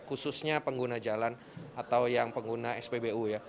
khususnya pengguna jalan atau yang pengguna spbu ya